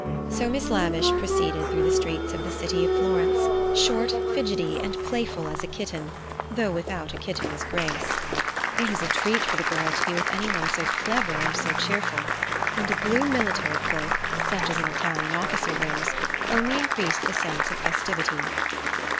So Miss Lavish proceeded through the streets of the city of Florence, short, fidgety, and playful as a kitten, though without a kitten's grace. It was a treat for the girl to be with any one so clever and so cheerful; and a blue military cloak, such as an Italian officer wears, only increased the sense of festivity.